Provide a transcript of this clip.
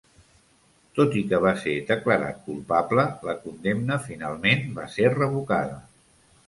Tot i que va ser declarat culpable, la condemna finalment va ser revocada.